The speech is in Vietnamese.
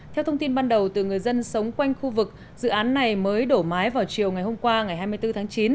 theo thông tin ban đầu từ người dân sống quanh khu vực dự án này mới đổ mái vào chiều ngày hôm qua ngày hai mươi bốn tháng chín